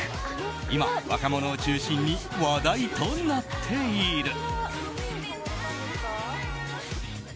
今、若者を中心に話題となっている。